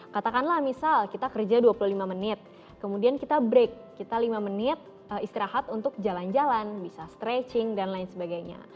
katakanlah misal kita kerja dua puluh lima menit kemudian kita break kita lima menit istirahat untuk jalan jalan bisa stretching dan lain sebagainya